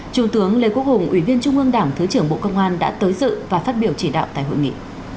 trung tướng lê quốc hùng ủy viên trung ương đảng thứ trưởng bộ công an đã tới dự và phát biểu chỉ đạo tại hội nghị